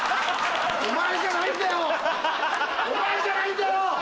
お前じゃないんだよ！